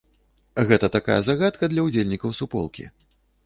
Гэта такая загадка для ўдзельнікаў суполкі.